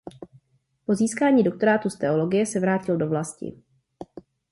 Po získání doktorátu z teologie se vrátil do vlasti.